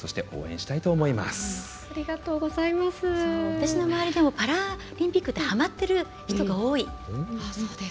私の周りでもパラリンピックはまってる人が多い。